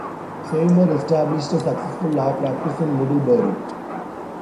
Seymour established a successful law practice in Middlebury.